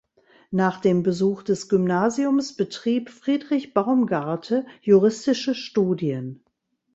Nach dem Besuch des Gymnasiums betrieb Friedrich Baumgarte juristische Studien.